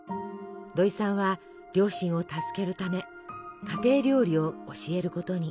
土井さんは両親を助けるため家庭料理を教えることに。